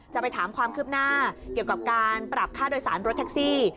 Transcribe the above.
จะไปถามความคืบหน้าเกี่ยวกับการปรับค่าโดยสารรถแท็กซี่